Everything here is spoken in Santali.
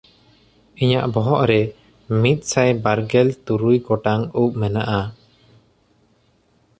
ᱤᱧᱟᱜ ᱵᱚᱦᱚᱜ ᱨᱮ ᱢᱤᱫᱥᱟᱭ ᱵᱟᱨᱜᱮᱞ ᱛᱩᱨᱩᱭ ᱜᱚᱴᱟᱝ ᱩᱵ ᱢᱮᱱᱟᱜᱼᱟ᱾